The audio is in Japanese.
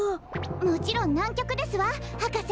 もちろんなんきょくですわはかせ。